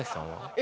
え！